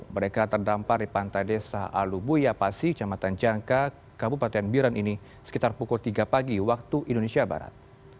mereka terdampar di pantai desa alubuya pasi kecamatan jangka kabupaten biren ini sekitar pukul tiga pagi waktu indonesia barat